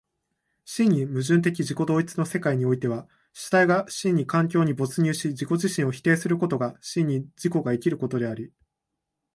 真に矛盾的自己同一の世界においては、主体が真に環境に没入し自己自身を否定することが真に自己が生きることであり、